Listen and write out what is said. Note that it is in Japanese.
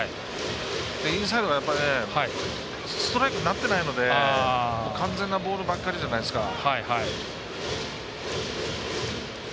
インサイドがストライクになってないので完全なボールばかりじゃないですか。